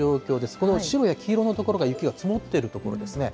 この白や黄色の所が雪が積もっている所ですね。